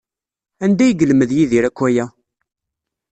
Anda ay yelmed Yidir akk aya?